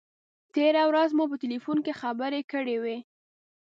تېره ورځ مو په تیلفون کې خبرې کړې وې.